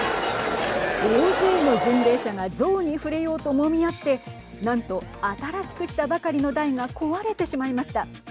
大勢の巡礼者が像に触れようと、もみ合ってなんと新しくしたばかりの台が壊れてしまいました。